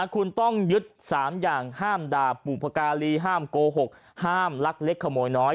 คุณต้องยึด๓อย่างห้ามด่าบุพการีห้ามโกหกห้ามลักเล็กขโมยน้อย